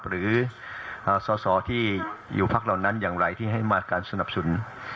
หรือส่อที่อยู่พักเหล่านั้นอย่างไรที่ให้มาตรการสนับสนุน